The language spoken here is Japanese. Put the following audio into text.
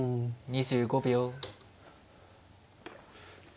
２５秒。